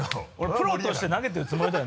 プロとして投げてるつもりだよ